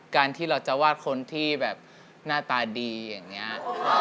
การที่เราจะวาดคนที่แบบหน้าตาดีอย่างนี้